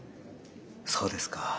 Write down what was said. そうですか。